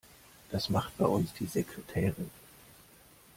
Das macht bei uns die Sekretärin.